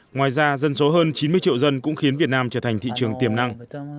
ngoài ra dân số hơn chín mươi triệu dân cũng khiến việt nam trở thành thị trường tiềm năng